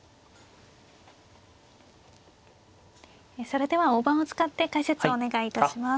それでは大盤を使って解説をお願いいたします。